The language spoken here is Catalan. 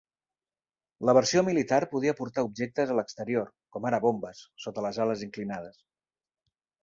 La versió militar podia portar objectes a l'exterior, com ara bombes, sota les ales inclinades.